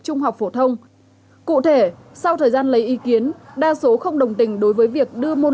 trung học phổ thông cụ thể sau thời gian lấy ý kiến đa số không đồng tình đối với việc đưa môn